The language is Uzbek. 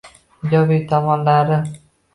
Ijobiy tomonlari